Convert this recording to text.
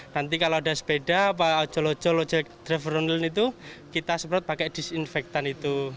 nanti kalau ada sepeda atau ojol ojol ojol ojol kita sebut pakai disinfektan itu